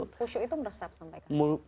khusyuk itu meresap sampai ke hati